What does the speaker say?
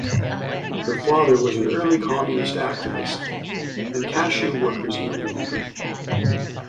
Her father was an early communist activist and cashew workers union member.